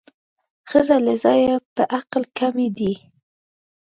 ښځې له ځایه په عقل کمې دي